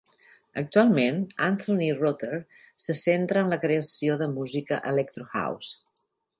Actualment, Anthony Rother se centra en la creació de música electro house.